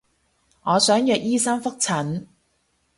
我想約醫生覆診